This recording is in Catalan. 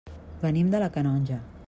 Venim de la Canonja.